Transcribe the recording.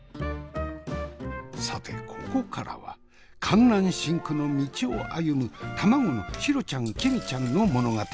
さてここからは艱難辛苦の道を歩む卵のシロちゃんキミちゃんの物語。